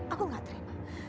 aku gak terima